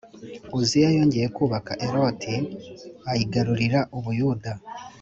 Uziya yongeye kubaka Eloti u ayigarurira u Buyuda